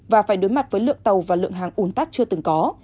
và phải đối mặt với lượng tàu và lượng hàng ồn tắc chưa từng có